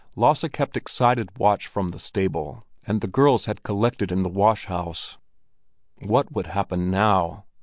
Lasse kept excited watch from the stable, and the girls had collected in the wash house. What would happen now?